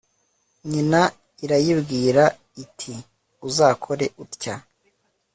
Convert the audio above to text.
nyina irayibwir iti 'uzakore utya... '